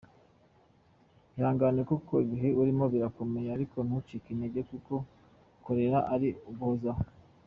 Ihangane kuko ibihe urimo birakomeye ariko ntucike intege kuko kurera ari uguhozaho.